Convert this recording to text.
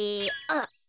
あっ！